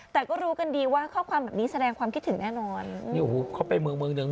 แต่ก็รู้กันดีว่าข้อความแบบนี้แสดงความคิดถึงแน่นอนนี่โอ้โหเขาไปเมืองเมืองหนึ่ง